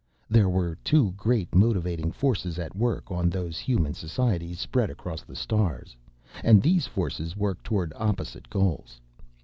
There were two great motivating forces at work on those human societies spread across the stars, and these forces worked toward opposite goals.